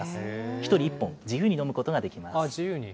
１人１本、自由に飲むことができ自由に？